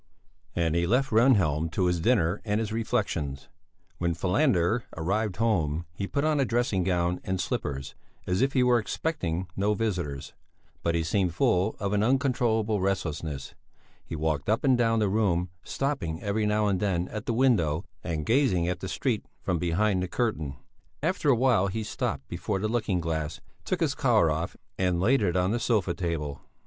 And he left Rehnhjelm to his dinner and his reflections. When Falander arrived home, he put on a dressing gown and slippers, as if he were expecting no visitors. But he seemed full of an uncontrollable restlessness. He walked up and down the room, stopping every now and then at the window and gazing at the street from behind the curtain. After a while he stopped before the looking glass, took his collar off and laid it on the sofa table.